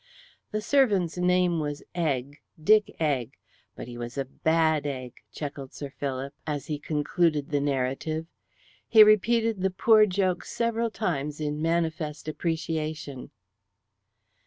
"The servant's name was Egg Dick Egg, but he was a bad egg," chuckled Sir Philip, as he concluded the narrative. He repeated the poor joke several times in manifest appreciation.